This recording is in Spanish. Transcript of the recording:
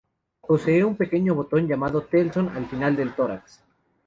Posee un pequeño botón llamado telson al final del tórax.